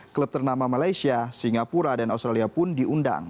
klub ternama malaysia singapura dan australia pun diundang